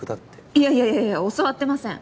いやいやいやいや教わってません。